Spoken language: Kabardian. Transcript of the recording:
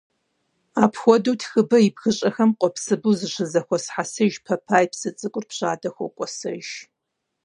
Апхуэдэу, Тхыбэ и бгыщӀэхэм къуэпсыбэу зыщызэхуэзыхьэсыж Пэпай псы цӀыкӀур Пшадэ хокӀуэсэж.